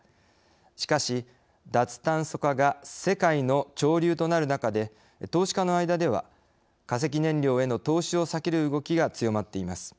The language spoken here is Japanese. しかし脱炭素化が世界の潮流となる中で投資家の間では化石燃料への投資を避ける動きが強まっています。